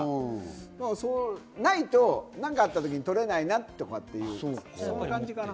ないと何かあった時に撮れないなって。